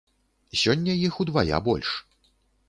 Сёння іх удвая больш.